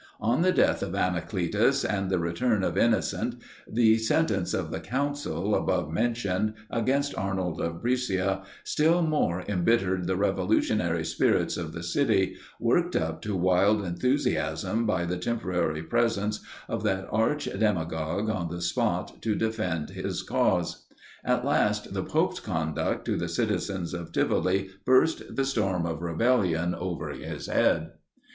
On the death of Anacletus and the return of Innocent, the sentence of the council, above mentioned, against Arnold of Brescia, still more embittered the revolutionary spirits of the city, worked up to wild enthusiasm by the temporary presence of that arch demagogue on the spot to defend his cause. At last the pope's conduct to the citizens of Tivoli burst the storm of rebellion over his head.